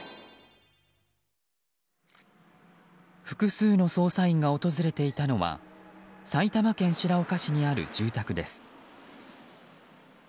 複数の捜査員が訪れていたのは埼玉県白岡市にある住宅です。